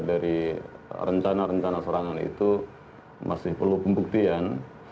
dari rencana rencana serangan itu masih perlu pembuktian